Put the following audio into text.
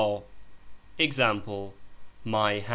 EXAMPLE. I. ..